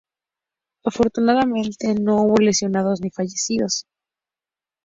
Afortunadamente no hubo lesionados ni fallecidos.